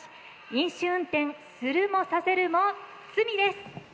飲酒運転するもさせるも罪です。